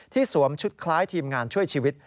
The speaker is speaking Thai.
สวมชุดคล้ายทีมงานช่วยชีวิต